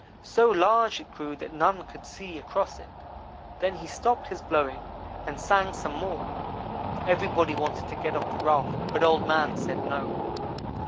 So large it grew that none could see across it. Then he stopped his blowing and sang some more. Everybody wanted to get off the raft, but Old man said 'no.'